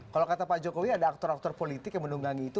kalau kata pak jokowi ada aktor aktor politik yang menunggangi itu